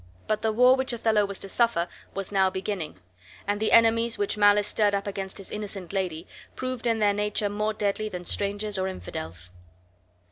But the war which Othello was to suffer was now beginning; and the enemies which malice stirred up against his innocent lady proved in their nature more deadly than strangers or infidels.